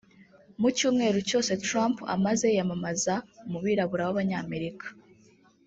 Mu cyumweru cyose Trump amaze yiyamamaza mu birabura b’Abanyamerika